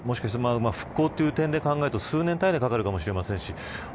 復興という点で考えると数年かかるかもしれません。